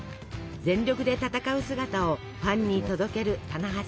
全力で戦う姿をファンに届ける棚橋さん。